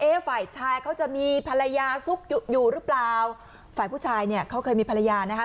ฝ่ายชายเขาจะมีภรรยาซุกอยู่หรือเปล่าฝ่ายผู้ชายเนี่ยเขาเคยมีภรรยานะคะ